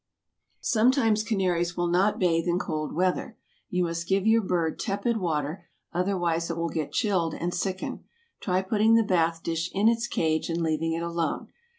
Sometimes canaries will not bathe in cold weather. You must give your bird tepid water, otherwise it will get chilled, and sicken. Try putting the bath dish in its cage and leaving it alone.